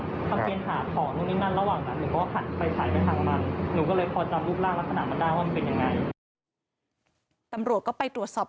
แต่ว่าจะไม่ทำอะไรสัญญาว่าจะไม่ทำอะไร